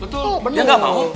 dia gak mau